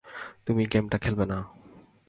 তুমি গেমটা খেলবে না।